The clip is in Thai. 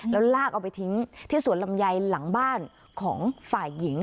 แล้วลากเอาไปทิ้งที่สวนลำไยหลังบ้านของฝ่ายหญิง